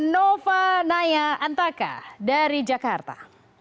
nova naya antaka dari jakarta